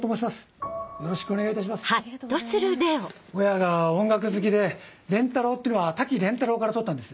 親が音楽好きで「廉太郎」というのは滝廉太郎から取ったんです。